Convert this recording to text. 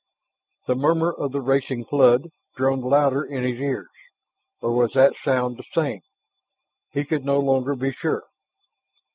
The murmur of the racing flood drummed louder in his ears, or was that sound the same? He could no longer be sure.